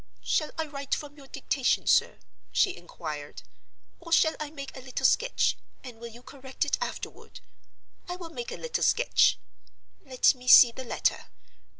"Shall I write from your dictation, sir?" she inquired. "Or shall I make a little sketch, and will you correct it afterward? I will make a little sketch. Let me see the letter.